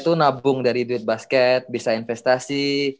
kita bisa nabung dari duit basket bisa investasi